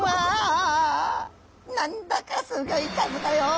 何だかすギョい数だよ。